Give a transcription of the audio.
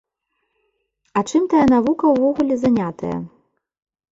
А чым тая навука ўвогуле занятая?